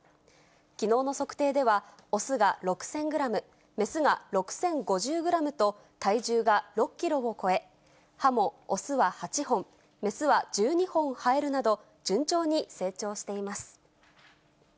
きのうの測定では、雄が６０００グラム、雌が６０５０グラムと、体重が６キロを超え、歯も雄は８本、雌は１２本生えるなど、順調に成長しています。